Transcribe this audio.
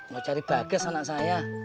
mau cari bages anak saya